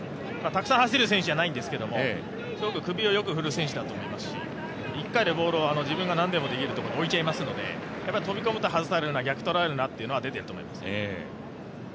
たくさん走る選手じゃないんですけど首をよく振る選手だと思いますし１回でボールをなんでもできるところに置いちゃいますので飛び込むと外すな、逆とられるなというのが出ていると思います。